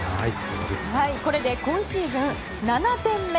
これで今シーズン７点目。